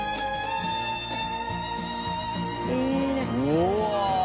うわ！